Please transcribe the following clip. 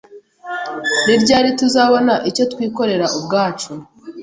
Ni ryari tuzabona icyo twikorera ubwacu?